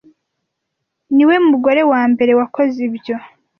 niwe mugore wambere wakoze ibyo